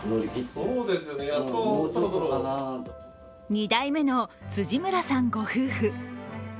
２代目の辻村さんご夫婦。